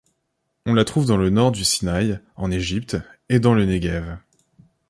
On la trouve dans le nord du Sinaï, en Égypte et dans le Néguev.